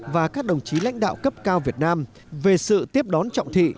và các đồng chí lãnh đạo cấp cao việt nam về sự tiếp đón trọng thị